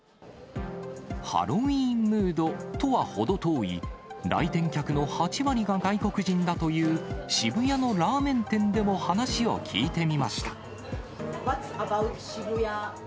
ハロウィーンムードとは程遠い来店客の８割が外国人だという渋谷のラーメン店でも話を聞いてみました。